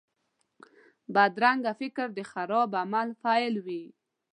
بدرنګه فکر د خراب عمل پیل وي